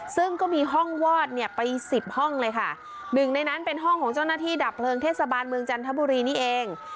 ซึ่งก็มีห้องวอดเนี่ยไปสิบห้องเลยค่ะหนึ่งในนั้นเป็นห้องของเจ้าหน้าที่ดับเพลิงเทศบาลเมืองจันทบุรีนี่เอง